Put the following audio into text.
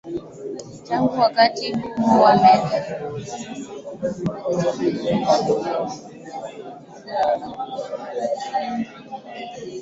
Tangu wakati huo wamekuwa na nguvu zaidi afisa